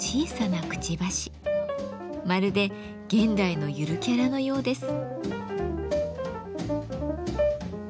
まるで現代のゆるキャラのようです。